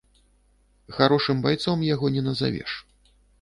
Харошым байцом яго не назавеш.